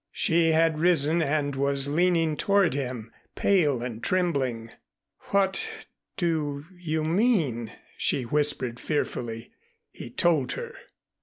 She had risen and was leaning toward him, pale and trembling. "What do you mean?" she whispered fearfully. He told her.